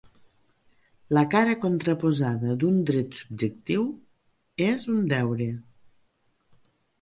La cara contraposada d'un dret subjectiu és un deure.